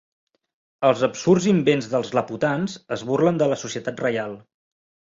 Els absurds invents dels Laputans es burlen de la Societat Reial.